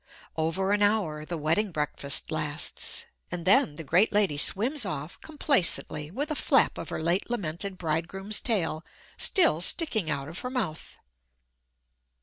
Over an hour the wedding breakfast lasts, and then the great lady swims off complacently with a flap of her late lamented bridegroom's tail still sticking out of her mouth.